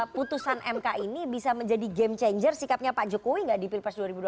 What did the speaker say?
putusan mk ini bisa menjadi game changer sikapnya pak jokowi nggak di pilpres dua ribu dua puluh